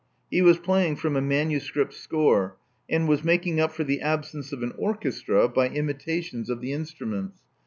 He was playing from a manuscript score, and was making up for the absence of an orchestra by imita tions of the instruments.